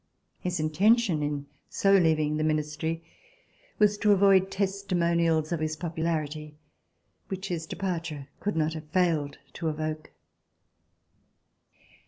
His intention, in so leaving the Ministry, was to avoid testimonials of his popu larity which his departure could not have failed to evoke.